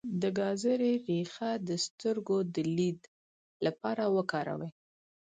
د ګازرې ریښه د سترګو د لید لپاره وکاروئ